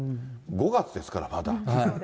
５月ですから、まだ。